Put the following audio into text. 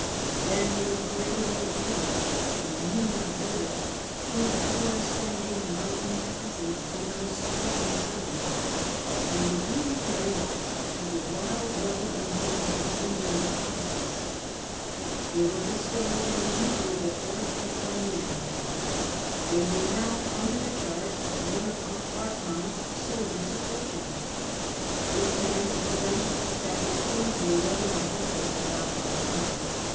Then they were hurried away again, they knew not whither, through ever ascending mountain passes, under a scorching sun. They were being carried off to the wild rugged regions of the Indian Cau casus. They were bestowed in a miserable fort at Bameean. They were now under the charge of one 266 A HISTORY OR OUR OWN TIMES. cn. xi. of Akbar Khan's soldiers of fortune. This man had begun to suspect that things were wellnigh hopeless with Akbar Khan.